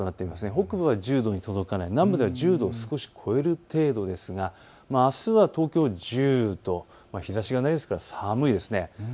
北部は１０度に届かない、南部では１０度を少し超える程度ですがあすは東京１０度、日ざしがないですから寒いです。